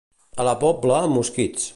A la Pobla, mosquits.